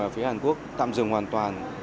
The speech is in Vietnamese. phía hàn quốc tạm dừng hoàn toàn